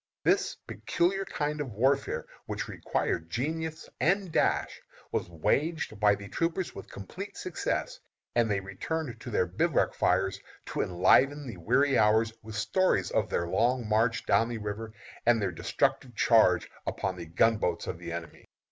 This peculiar kind of warfare, which required genius and dash, was waged by the troopers with complete success, and they returned to their bivouac fires to enliven the weary hours with stories of their long march down the river, and their destructive charge upon the gunboats of the enemy.